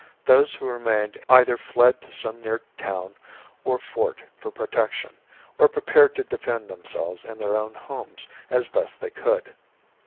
Those who remained either fled to some near town or fort for protection, or prepared to defend themselves in their own homes as best they could.